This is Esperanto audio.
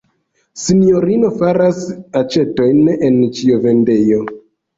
Sinjorino faras aĉetojn en ĉiovendejo.